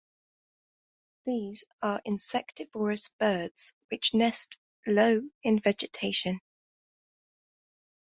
These are insectivorous birds which nest low in vegetation.